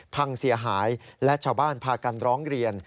พังเสียหายและชาวบ้านพากันร้องเรียน